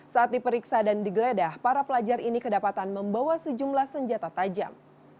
saat diperiksa dan digeledah para pelajar ini kedapatan membawa sejumlah senjata tajam